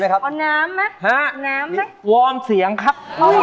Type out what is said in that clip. มีทรมากไหมครับ